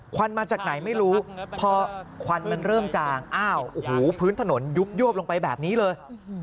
ควันมาจากไหนไม่รู้พอควันมันเริ่มจางอ้าวโอ้โหพื้นถนนยุบยวบลงไปแบบนี้เลย